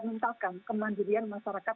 minta kemandirian masyarakat